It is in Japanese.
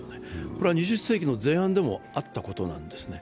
これは２０世紀の前半でもあったことなんですね。